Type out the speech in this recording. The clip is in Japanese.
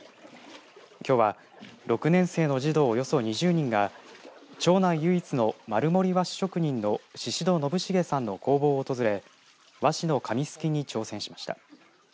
きょうは６年生の児童およそ２０人が町内唯一の丸森和紙職人の宍戸信成さんの工房を訪れ和紙の紙すきに挑戦しました。